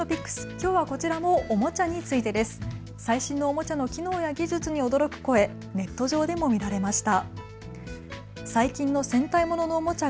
きょうはこちらもおもちゃについてです。最新のおもちゃの機能や技術に驚く声、ネット上でも見られました。